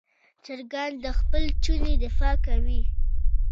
چرګان د خپل چوڼې دفاع کوي.